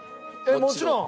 もちろん。